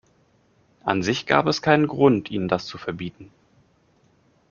An sich gab es keinen Grund, ihnen das zu verbieten.